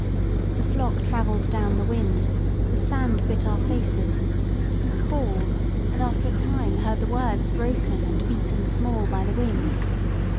The flock travelled down the wind, the sand bit our faces; we called, and after a time heard the words broken and beaten small by the wind.